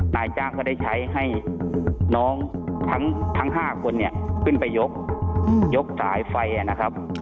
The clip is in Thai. นายจ้างก็ได้ใช้ให้น้องทั้ง๕คนเนี่ยขึ้นไปยกยกสายไฟนะครับ